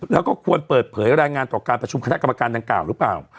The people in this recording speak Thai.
แล้วก็ควรเปิดเผยรายงานต่อการประชุมคณะกรรมการดังกล่าวหรือเปล่า